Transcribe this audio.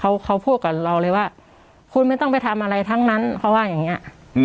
เขาเขาพูดกับเราเลยว่าคุณไม่ต้องไปทำอะไรทั้งนั้นเขาว่าอย่างเงี้ย